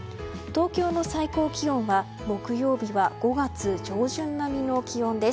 東京の最高気温は木曜日は５月上旬並みの気温です。